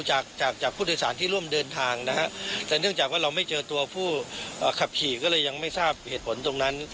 จากจากผู้โดยสารที่ร่วมเดินทางนะฮะแต่เนื่องจากว่าเราไม่เจอตัวผู้ขับขี่ก็เลยยังไม่ทราบเหตุผลตรงนั้น